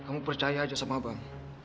kamu percaya aja sama bang